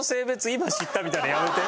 今知ったみたいなやめて。